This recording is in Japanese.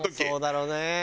そうだろうね。